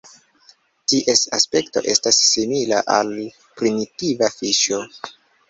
Ties aspekto estas simila al "primitiva fiŝo".